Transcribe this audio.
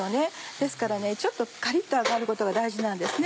ですからねちょっとカリッと揚がることが大事なんですね。